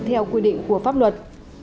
theo quy định của pháp luật